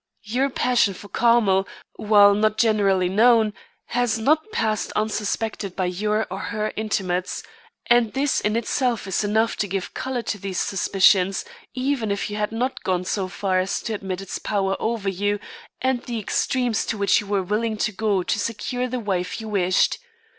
Your passion for Carmel, while not generally known, has not passed unsuspected by your or her intimates; and this in itself is enough to give colour to these suspicions, even if you had not gone so far as to admit its power over you and the extremes to which you were willing to go to secure the wife you wished.